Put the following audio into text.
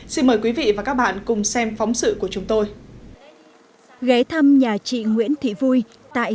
xin mời quý vị và các bạn cùng xem phóng sự của chúng tôi